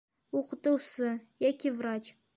Уҡытыусы... йәки врач...